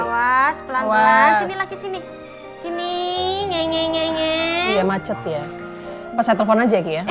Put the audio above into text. wajah pelan pelan sini lagi sini sini nge nge nge macet ya pas telepon aja ya